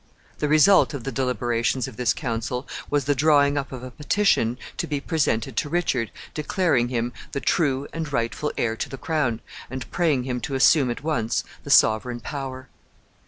The result of the deliberations of this council was the drawing up of a petition to be presented to Richard, declaring him the true and rightful heir to the crown, and praying him to assume at once the sovereign power.